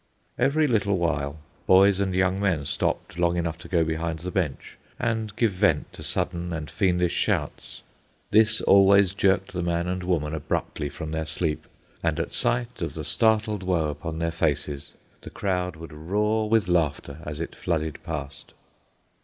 Every little while boys and young men stopped long enough to go behind the bench and give vent to sudden and fiendish shouts. This always jerked the man and woman abruptly from their sleep; and at sight of the startled woe upon their faces the crowd would roar with laughter as it flooded past.